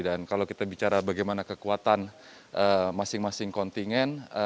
dan kalau kita bicara bagaimana kekuatan masing masing kontingen